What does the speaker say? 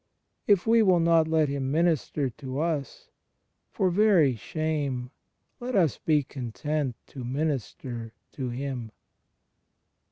If we will not let Him minister to us, for very shame let us be content to minister to Him.